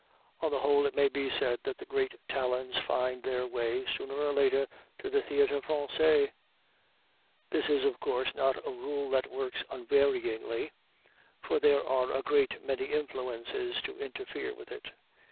On the whole, it may be said that the great talents find their way, sooner or later, to the Théâtre Français. This is of course not a rule that works unvaryingly, for there are a great many influences to interfere with it.